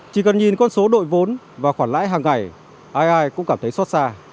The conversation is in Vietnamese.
chỉ cần nhìn con số đội vốn và khoản lãi hàng ngày ai ai cũng cảm thấy xót xa